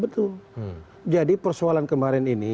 betul jadi persoalan kemarin ini